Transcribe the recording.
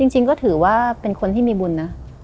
จริงก็ถือว่าเป็นคนที่มีบุญนะ